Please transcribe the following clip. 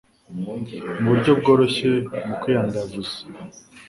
mu buryo bworoshye mu kwiyandavuza,